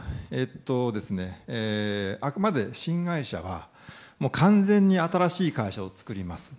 あくまで新会社は完全に新しい会社を作ります。